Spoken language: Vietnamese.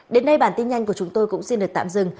đến đây bản tin nhanh của chúng tôi cũng xin được tạm dừng